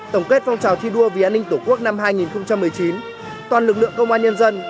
tổng kết phong trào thi đua vì an ninh tổ quốc năm hai nghìn một mươi chín toàn lực lượng công an nhân dân